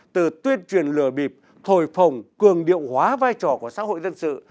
từ tuyên truyền lừa bịp thổi phồng cường điệu hóa vai trò của xã hội dân sự